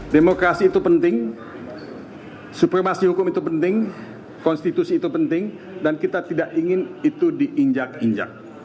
demokrasi itu penting supremasi hukum itu penting konstitusi itu penting dan kita tidak ingin itu diinjak injak